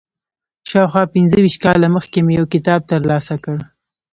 شاوخوا پنځه ویشت کاله مخکې مې یو کتاب تر لاسه کړ.